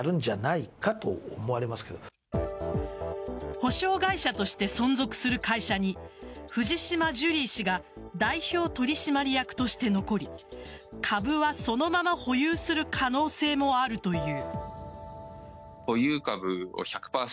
補償会社として存続する会社に藤島ジュリー氏が代表取締役として残り株は、そのまま保有する可能性もあるという。